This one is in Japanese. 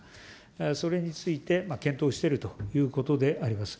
それについて検討しているということであります。